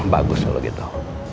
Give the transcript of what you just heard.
bagus kalau gitu